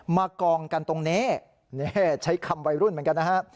มากองกันตรงนี้นี่ใช้คำวัยรุ่นเหมือนกันนะฮะ